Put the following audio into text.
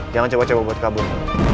jangan coba coba buat kabur